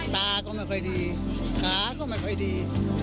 ตาก็ไม่ค่อยดีขาก็ไม่ค่อยดี